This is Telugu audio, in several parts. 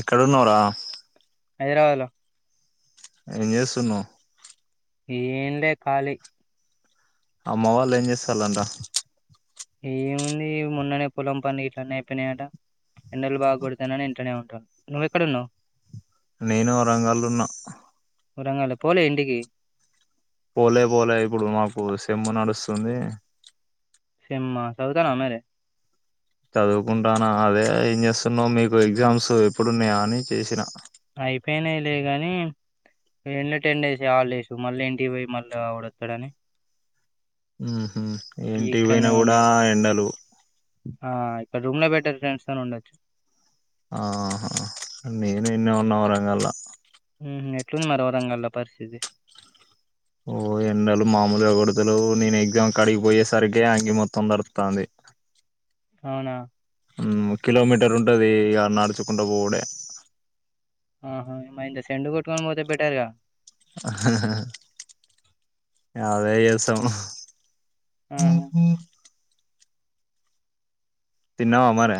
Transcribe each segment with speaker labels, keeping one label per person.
Speaker 1: ఎక్కడున్నావ్ రా
Speaker 2: హైదరాబాద్ లో
Speaker 1: ఏం జేస్తున్నావ్
Speaker 2: ఏం లే కాళి
Speaker 1: అమ్మ వాళ్లేం జేసలంట
Speaker 2: ఏముంది మొన్ననే పొలం పని ఇట్లనే ఐపోయినాయట ఎండలు బాగ్ కొడతనని ఇంట్లనే ఉంటరు నువ్వెక్కడున్నావ్
Speaker 1: నేను వరంగల్లున్న
Speaker 2: వరంగలా పోలే ఇంటికి
Speaker 1: పోలే పోలే ఇప్పుడు మాకు సెమ్ము నడుస్తుంది
Speaker 2: సెమ్మా సౌతానా మరే
Speaker 1: చదువుకుంటానా అదే ఏం చేస్తున్నావ్ మీకు ఎగ్జామ్స్ ఎప్పుడున్నాయా అని చేసినా
Speaker 2: ఐపొయ్నలే గని ఎండో టెన్ డేస్ గా హాల్డేసు మళ్ళీ ఇంటికి పొయ్యి మల్లెవుడొత్తడని
Speaker 1: మ్మ్ హు ఇంటికి పోయినా
Speaker 2: ఉన్న
Speaker 1: గుడా
Speaker 2: ఇగ.
Speaker 1: ఎండలు
Speaker 2: ఆ ఇక్కడ రూమ్ లో బెట్టర్ ఫ్రెండ్స్ తోనుండొచ్చు
Speaker 1: ఆహా నేను ఈన్నే ఉన్న వరంగల్లా
Speaker 2: మ్మ్ హు ఎట్లుంది మరి వరంగల్ల్లో పరిస్థితి
Speaker 1: ఓ ఎండలు మామూలుగా గొడతలేవు నేను ఎగ్జామ్ కాడికి పొయ్యే సరికే అంగి మొత్తం తడుత్తాన్ది
Speaker 2: అవునా
Speaker 1: మ్మ్ కిలో మీటరుంటది ఇగ నడుచుకుంట పోవుడే
Speaker 2: ఆహా ఏమైంద సెండ్ గొట్టుకొని పోతే బెటర్గా
Speaker 1: అదే చేశాం
Speaker 2: ఆ
Speaker 1: తిన్నావా మరి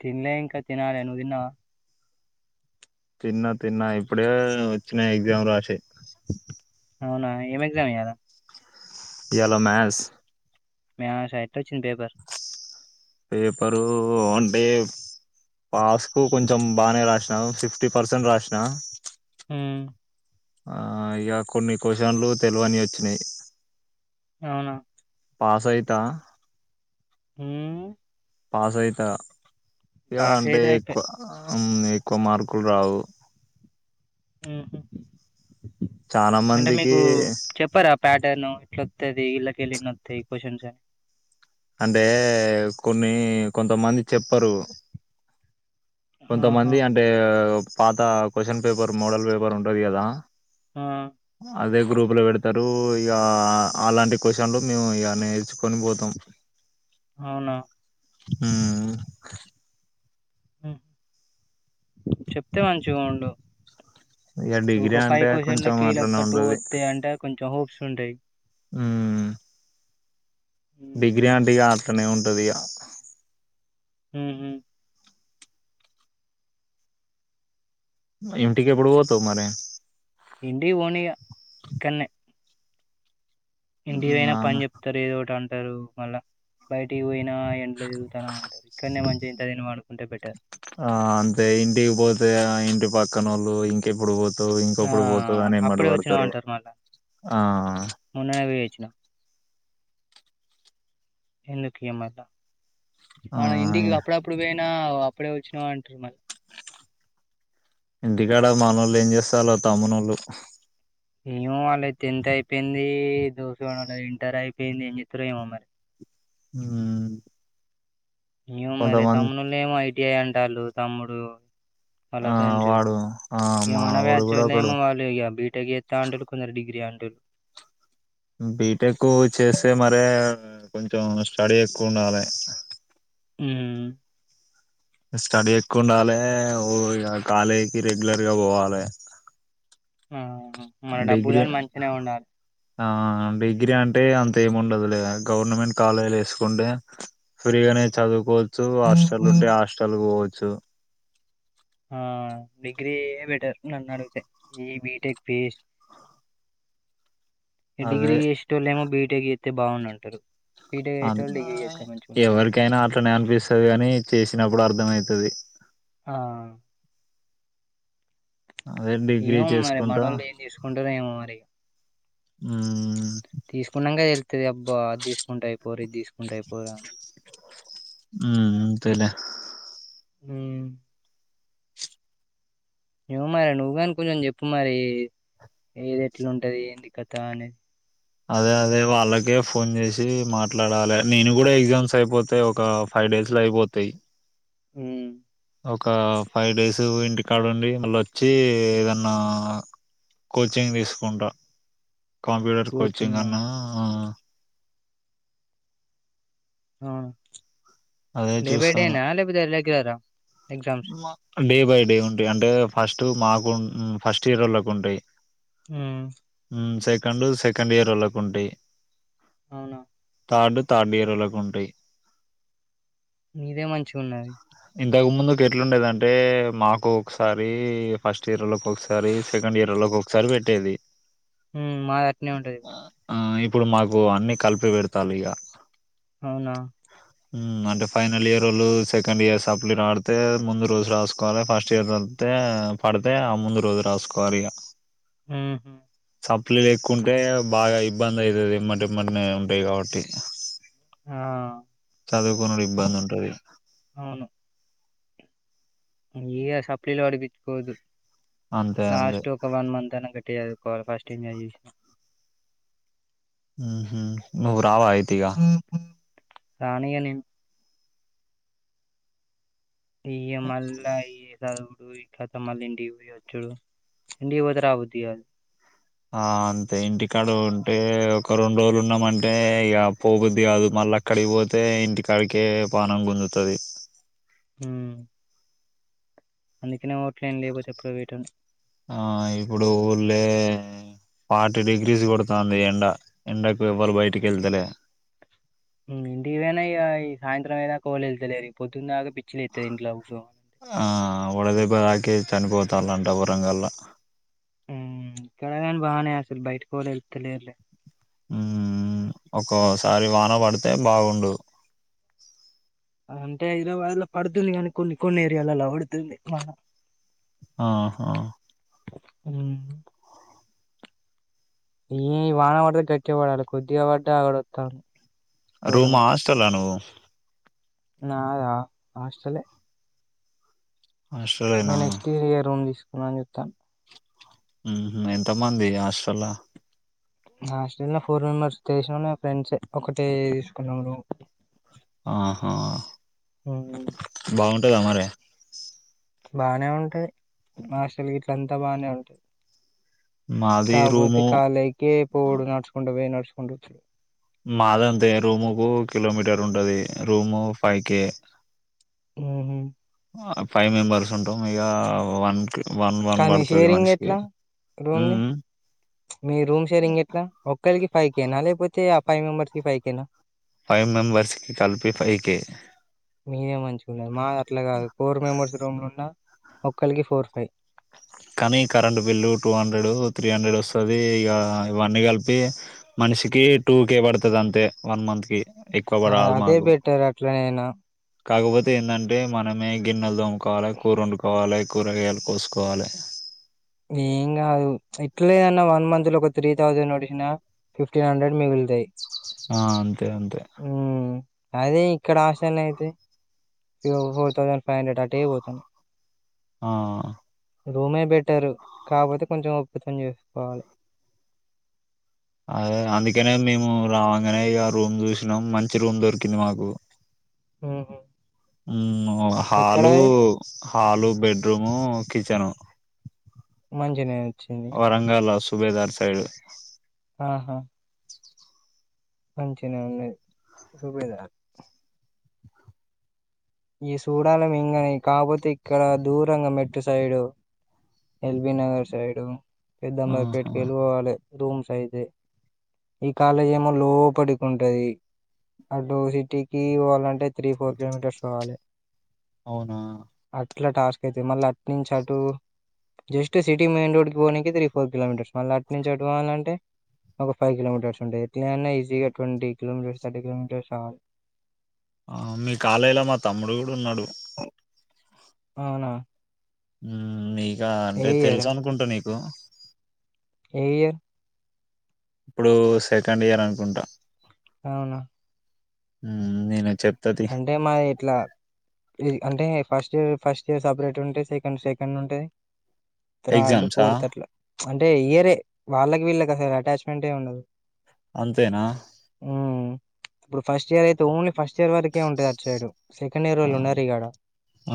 Speaker 2: తిన్లే ఇంకా తినాలి నువ్ తిన్నావా
Speaker 1: తిన్న తిన్న ఇప్పుడే చిన ఎగ్జామ్ రాసి
Speaker 2: అవునా ఏం ఎగ్జామ్ ఇయాలా
Speaker 1: ఇయ్యాల మ్యాస్
Speaker 2: మే అస ఎట్టొచ్చింది పేపర్
Speaker 1: పేపరు అంటే పాస్ కు కొంచెం బానే రాస్న ఫిఫ్టీ పర్సెంట్ రాస్న
Speaker 2: హ్మ్మ్
Speaker 1: ఆ ఇగ కొన్ని కొసన్లు తెలివనివొచ్చినయ్
Speaker 2: అవునా
Speaker 1: పాస్ ఐతా
Speaker 2: హ్మ్మ్
Speaker 1: పాస్ ఐత ఇగ అంటే
Speaker 2: అయితే అయిపాయ్.
Speaker 1: ఎక్కువ మ్మ్ ఎక్కువ మార్కులు రావు
Speaker 2: మ్మ్ హు
Speaker 1: చానా మందికి
Speaker 2: చెప్పారా ప్యాటర్ను ఇట్లొత్తది ఇళ్లకెళ్ళి ఇన్నోత్తయి కొసన్సు
Speaker 1: అంటే కొన్ని కొంతమంది చెప్పరు
Speaker 2: ఆహా!
Speaker 1: కొంతమంది అంటే ప్ పాతా కొశన్ పపర్ మోడల్ పపర్ ఉంటది గాదా
Speaker 2: ఆ
Speaker 1: గ్రూపు లో పెడతారు ఇగా అలాంటి క్వశ్చన్లు మేము ఇగ నేర్చుకొని బోతం
Speaker 2: అవునా
Speaker 1: హ్మ్
Speaker 2: చెప్తే మంచిగా ఉండు
Speaker 1: ఇక డిగ్రీ
Speaker 2: ఒక ఫైవ్
Speaker 1: అంటే కొంచెం
Speaker 2: కోషన్లకి
Speaker 1: అట్లనే
Speaker 2: లేక్క టూ
Speaker 1: ఉంటది
Speaker 2: వత్తే. అంటే కొంచెం హోప్స్ ఉంటాయి
Speaker 1: ఉమ్, డిగ్రీ అంటిగా ట్లనే ఉంటదిగా
Speaker 2: హ్మ్ హు
Speaker 1: మా ఇంటిగేభుడు పోతావ్ మరి
Speaker 2: ఇంటికి పోనీగ ఇక్కనే ఇంటికి
Speaker 1: ఉమ్,
Speaker 2: పోయినా
Speaker 1: నాన్న
Speaker 2: పని చెప్తారు ఏదోటి అం టారు మళ్ళా. బయటికి పోయినా ఎంత దిరుగుతానవ్ అన్. ఇక్కడనే మంచిగ ఇంట్లా తిని పన్
Speaker 1: ఆ అంతే ఇంటికి పోతే ఆ ఇన్ టి పక్కనోళ్ళు ఇంకెప్పుడు పో తవ్
Speaker 2: ఆ!
Speaker 1: ఇంకొప్పుడు పోత ఆనే
Speaker 2: అప్పుడే
Speaker 1: మటపడతారు
Speaker 2: వచ్చినవంటరు మళ్ళా.
Speaker 1: ఆ
Speaker 2: ఎందుకీయం మల్ల
Speaker 1: ఆ
Speaker 2: మన ఇంటిగి అప్పుడప్పుడు పేన్ నా అప్పుడే వచ్చిన అంటారు మళ్
Speaker 1: ఇంటికాడ మానోళ్ళు ఎంస్సలా తమ్ముళ్ళు
Speaker 2: ఏమో వాళ్ళద్ తేన్త్ అయిపెంది. దోశ్గానొల్లది ఇంటర్ అయిపెంది. ఏం జెత్తారో ఏమో మరి
Speaker 1: హూ
Speaker 2: న్యూ మరే తమ్మునోళ్ళేమో అయ్ ఎ అంట్టాళ్లు తమ్ముడు వాళ్ళ
Speaker 1: ఆ
Speaker 2: ఫ్రెండ్స్
Speaker 1: వాడు ఆ మా వోడు కూడా ఒకడు
Speaker 2: టేగ్ ఎత్త అంటల్లు కొందరు డిగ్రీ అంటల్
Speaker 1: బీటెకు చేస్తే మరే కొంచెం స్టడీ ఎక్కువ ఉండాలే
Speaker 2: హ్మ్
Speaker 1: స్టడీ ఎక్కువ ఉండాలే. ఓ ఇగ కాలేజ్కి రెగ్యులర్ గా భోవాలే
Speaker 2: ఆ మన
Speaker 1: డిగ్రీ ఏ
Speaker 2: డబ్బులని మంచిగానే ఉండాలి
Speaker 1: ఆ డిగ్రీ అంటే అంతేముండదులే గవర్నమెంట్ కాలేలిస్కుంటే ఫ్రీగానే చదువుకోవచ్చు హాస్టల్ ఉంటే హాస్టల్ పోవచ్చు
Speaker 2: ఆ డిగ్రీ ఏ బెటర్ నన్ అడుగుతే ఈ బీటెక్ వేస్ట్ ఎ
Speaker 1: అదే
Speaker 2: డిగ్రీ ఎసేటోల్లేమో బీటెక్ ఎత్ తే భావున్నుంటారు
Speaker 1: అంత్ అయ్ ఎవరికైనా అట్లనే అనిపిస్తది గాని చేసినప్పుడు అర్థమయిత్ అది
Speaker 2: ఆ
Speaker 1: అదే డిగ్రీ
Speaker 2: ఏమో మరి
Speaker 1: చేసుకుంటా
Speaker 2: మనోళ్లు ఏం తీసుకుంటారో ఏమో మరి
Speaker 1: ఉమ్
Speaker 2: తీసుకున్నాక తెలు అది అబ్బా అది తీసుకుంటె అయిపోరు ఇది తీసుకుంటె అయిపోరు అని
Speaker 1: ఉమ్ అంతేలే
Speaker 2: హ్మ్ ఏమో మరి నువ్వు కాని కొంచెం చెప్పు మరి ఏది ఎట్లు ఉంటది ఏంది కథ అని
Speaker 1: అదే అదే వాళ్ళకే ఫోన్ చేసి మాట్లాడాలి నేను కూడా ఎగ్జామ్స్ అయిపోతె ఒక ఫైవ్ డేస్ లో అయిపోతాయి
Speaker 2: హ్మ్
Speaker 1: ఒక ఫైవ్ డేస్ ఇంటికాడ ఉండి మళ్ళీ వచ్చి ఏదన్నా కోచింగ్ తీసుకుంటా కంప్యూటర్ కోచింగ్
Speaker 2: కోచింగా
Speaker 1: అన్నా ఆ
Speaker 2: అ
Speaker 1: అదే
Speaker 2: డే బై
Speaker 1: చూస్తాను
Speaker 2: డేనా లేకపోతే లెగ్యులరా
Speaker 1: డే బై డే ఉంటయ్ అంటే ఫస్ట్ టు మాకు ఫస్ట్ ఇయరోల్కు ఉంటాయి
Speaker 2: హ్మ్
Speaker 1: సెకండ్ సెకండ్ ఇయరోలకు ఉంటాయ్
Speaker 2: అవునా
Speaker 1: థర్డ్ థార్డ్ ఇయరోలకు ఉంటాయ్
Speaker 2: నీదే మంచిగా ఉన్నది
Speaker 1: ఇంతకు ముందు ఎట్లుండేదంటే మాకు ఒకసారి ఫస్ట్ ఇయర్ లోకి ఒకసారి సెకండ్ ఇయర్ లోకి ఒకసారి పెట్టేది
Speaker 2: మాది అట్నే ఉంటది
Speaker 1: ఆ ఇప్పుడు మాకు అన్ని కలిపి పెడతాలు ఇగ
Speaker 2: అవునా
Speaker 1: హ్మ్ అంటే ఫైనల్ ఇయరోలు సెకండ్ ఇయర్ సప్లి రాడితే ముందు రోజు రాసుకోవాలి ఫస్ట్ ఇయర్ చదితే పడితే ఆ ముందు రోజు రాసుకోవాలి ఇగ
Speaker 2: హ్మ్ హు
Speaker 1: సప్లీలు ఎక్కువుంటే బాగా ఇబ్బంది అయితది ఎంబటి ఎంబట్నే ఉంటాయి కాబట్టి
Speaker 2: ఆ
Speaker 1: చదువుకొనుడు ఇబ్బంది ఉంటది
Speaker 2: అవును ఇగ సప్లీలో అడు చిక్కోదు
Speaker 1: అంతే అంతే
Speaker 2: లాస్ట్ ఒక వన్ మంత్ అన అంటే అదిఫస్ట్ [unintelligible]
Speaker 1: హ్మ్ హు నువ్వు రావ అయితే ఇగా
Speaker 2: రాన ఇగ నేన్ ఇ మల్ల ఈయ చదువుడు ఇట్లతా మళ్ళీ ఇంటికీ పోయి వచ్చుడు ఇంటికీ పోతే రాబుద్ది కాదు
Speaker 1: ఆ అంతే ఇంటికాడ ఉంటే ఒక రెండు రోజులు ఉన్నామంటే ఇక పోబుద్ధి కాదు మళ్ళీ అక్కడికి పోతే ఇంటికాడకే పానం గుంజుతాది
Speaker 2: హ్మ్ అందుకనే ఓట్లే ఏం లేకపోతే ఎప్పుడో పోయేటిన్నీ
Speaker 1: ఆ ఇప్పుడు ఊర్లే ఫార్టీ డిగ్రీస్ కొడతాంది ఎండ ఎండకు ఎవరు బయటికి వెళ్తేలే
Speaker 2: ఇంగ ఇంటికి పోయిన ఇగ ఈ సాయంత్రం అయ్యేదాకా ఎవరు ఎల్తలేదు ఈ పొద్దున పిచ్చి లేస్తది ఇంట్లో కూచో
Speaker 1: ఆ వడ దెబ్బ దాకే చనిపోతాలంట ఓరంగల్లా
Speaker 2: కడగాన్ బాగానే అసలు బయటకి పోలే వెళ్తులేద్లే
Speaker 1: ఉ ఒక్కోసారి వాన పడితే బాగుండు
Speaker 2: అంటే ఇలా వాన పడుతుంది కానీ కొన్ని కొన్ని ఏరియాల్లో పడుతుంది వాన
Speaker 1: ఆహా
Speaker 2: ఉం ఈ వాన పడితే గట్టిగా పడాలి కొద్దిగా పడ్డ [unintelligible]
Speaker 1: రూమ్ హాస్టల్ ఆ నువ్వు
Speaker 2: నాద హాస్టల్ ఏ ఇక
Speaker 1: హాస్టలేనా
Speaker 2: నెక్స్ట్ ఇయర్ రూమ్ తీసుకుం నా నతా [inaudible]
Speaker 1: ఎంతమంది హాస్టల్లో
Speaker 2: నా హాస్టల్ లో ఫోర్ మెంబర్స్ తెలిసిన ఒళ్ళే ఫ్రెండ్స్ ఒకటే తీసుకున్నామ్ రూమ్
Speaker 1: ఆహా
Speaker 2: ఉమ్,
Speaker 1: బాగుంటదా మరి
Speaker 2: బానే ఉంటాయి మా హాస్టల్ గీట్ల అంతా బానే ఉంటాది
Speaker 1: మాది
Speaker 2: కాకపోతే
Speaker 1: రూము
Speaker 2: కలేకీ పోవుడు నడుసుకుంటూ పోయ్ నాడ్స్ ఉండచ్
Speaker 1: మాదంతే రూము కు కిలోమీటర్ ఉంటది రూము ఫైవ్ కే
Speaker 2: ఆహా
Speaker 1: ఫైవ్ మెంబెర్స్ ఉంటాం ఇక వన్కి
Speaker 2: కా మీ షేరింగ్ ఎట్లా రూమ్ ని
Speaker 1: మ్మ్
Speaker 2: మీ రూమ్ షేరింగ్ ఎట్లా ఒక్కరిక ఫైవ్ కే నా లేకపోతే ఆ ఫైవ్ మెంబర్స్ కి ఫైవ్ కే నా
Speaker 1: ఫైవ్ మెంబర్స్ కి కల్పి ఫైవ్ కే
Speaker 2: [unintelligible] అట్లా కాదు ఫోర్ మెంబెర్స్ రూమ్ లో ఉన్నా ఇక్కల్కి ఫోర్ ఫైవ్
Speaker 1: కానీ current bill two hundred three hundred వస్తది ఇక ఇవన్నీ కలిపి మనిషికి టూ కే పడతాది అంతే వన్ మంత్ కి ఎక్కువ రాదు
Speaker 2: అదే
Speaker 1: మాకు
Speaker 2: బెటర్ అట్లనేేనా
Speaker 1: కాకపోతే ఏంటంటే మనమే గిన్నెల్తోమ్ కోవాలి కూరు వండుకోవాలే కూరగాయలు కోసుకోవాలి
Speaker 2: ఏం కాదు ఎట్లలేదన్నా వన్ మంత్ లో ఒగ త్రీ థౌజండ్ వడిసిన ఫిఫ్టీన్ హండ్రెడ్ మిగిలు
Speaker 1: ఆ అంతే అంతే
Speaker 2: హ్మ్ అదే ఇక్కడ హాస్టల్ అయితే ఫోర్ థౌజండ్ ఫైవ్ హండ్రెడ్ అటే పోతున్నాయి
Speaker 1: ఆ
Speaker 2: రూమే బెటర్ కాకపోతే కొంచెం ఓపిక తోనే చేసుకోవాలి
Speaker 1: అదే అందుకనే మేము రావంగానే ఇక రూమ్ చూసినాం మంచి రూమ్ దొరికింది మాకు
Speaker 2: హ్మ్ హు
Speaker 1: హ్మ్ హాలు హాలు బెడ్రూము కిచెను
Speaker 2: మంచినేే వచ్చింది
Speaker 1: వరంగల్ సుబేదార్ సైడ్
Speaker 2: ఆహా మంచినే ఉన్నది రుబేదా ఈ సూడాల ఇంగనే కాపోతే ఇక్కడ దూరంగా మెట్టు సైడు ఎల్బి నగర్ సైడు పెద్దమ్బరి
Speaker 1: ఆహా
Speaker 2: పేట్కెళ్ళి పోవాలి రూమ్స్ అయితే ఈ కాలేజ్ ఏమో లోపటికి ఆ డో సిటీకి పోవాలంటే త్రీ ఫోర్ కిలోమీటర్స్ పోవాలి
Speaker 1: అవునా
Speaker 2: అట్లా టాస్క్ అయితే మళ్ళీ అట్నించ అటు జస్ట్ సిటీ మెయిన్ రోడ్ కి పోనికి త్రీ ఫోర్ కిలోమీటర్స్ మళ్ళీ అటు నుంచి అటు పోవాల అంటే ఒక ఫైవ్ కిలోమీటర్స్ ఉంటాయి ఎట్లాన్నా ఈజీగా ట్వంటీ కిలోమీటర్స్ థర్టీ కిలోమీటర్స్ రావాలి
Speaker 1: ఆ మీ కాలేజలో మా తమ్ముడు కూడా ఉన్నాడు
Speaker 2: అవునా
Speaker 1: హ్మ్ ని ఇగ
Speaker 2: ఏ
Speaker 1: అంటే
Speaker 2: ఇయర్
Speaker 1: తెలుసు అనుకుంట నీకు తో
Speaker 2: ఏ ఇయర్
Speaker 1: ఇప్పుడు సెకండ్ ఇయర్ అనుకుంటా
Speaker 2: అవునా
Speaker 1: నేను చెప్తాది
Speaker 2: అంటే మాది ఇట్లా అంటే first year first year separate ఉంటాయి సెకండ్ సెకండ్ ఉంటాది త్రాడ్
Speaker 1: ఎగ్జామ్సా
Speaker 2: ఫోర్త్ అట్లా అంటే ఇయరే వాళ్ళకి వీళ్ళకి అసలు ఆటాచ్మెంటే ఉండదు
Speaker 1: అంతేనా
Speaker 2: హ్మ్ ఇప్పుడు ఫస్ట్ ఇయర్ అయితే ఓన్లీ ఫస్ట్ ఇయర్ కె ఉంటది అటు సైడు సెకండ్
Speaker 1: ఆ,
Speaker 2: ఇయరోల్లు ఉండరు ఇగ ఆడ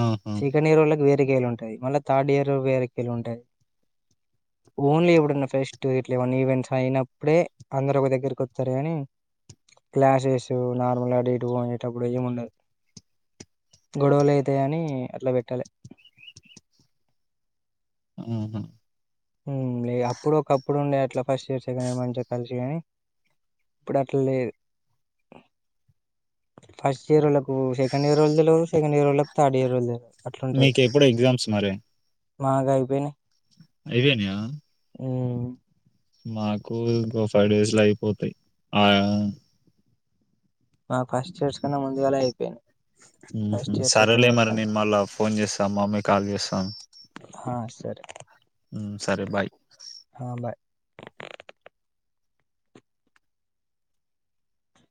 Speaker 1: ఆహా
Speaker 2: సెకండ్ ఇయరోల్ల ఉంటంది మళ్ళీ థర్డ్ ఇయర్ వేరేకెల్లా ఉంటది ఓన్లీ ఎప్పుడున్న ఫెస్ట్ ఇ వన్ ఈవెంట్స్ అయినప్పుడే అందరు ఒక దగ్గరకి వస్తారు కాని క్లాసెస్ నార్మల్ అటు ఇటు ప్పుడు ఏము ఉండదు గొడవలు అయితాయ అని అట్లా పెట్టాలె
Speaker 1: హ్మ్ హు
Speaker 2: లే అప్పుడు ఒకప్పుడుండే అట్లా ఫస్ట్ ఇయర్ సెకండ్ ఇయర్ మంచిగా కలిసి కాని ఇప్పుడు అట్లా లేదు ఫస్ట్ ఇయర్ వొళ్ళకు సెకండ్ ఇయర్ వాళ్ళు తెలవదు సెకండ్ ఇయర్ వాళ్ళకు థర్డ్ ఇయర్ వొళ్ళు తెల
Speaker 1: మీకు ఎప్పుడు ఎగ్జామ్స్ మరి
Speaker 2: మాగి అయిపోయినయ్
Speaker 1: ఐపేయినాయా
Speaker 2: ఊఉ
Speaker 1: మాకు ఇం ఫైవ్ డేస్ లో అయిపోతాయి ఆ
Speaker 2: ఆ ఫస్ట్ చేసుకున్నా ముందుగాలే ఐపోయిన్
Speaker 1: మ్మ్ హు సరేలే మరి నేన్ మళ్ళ ఫోన్ చేస్సా మా అమ్మి కాల్ జెస్సొంద్
Speaker 2: ఆ సరే
Speaker 1: మ్మ్ సరే బాయ్
Speaker 2: ఆ బాయ్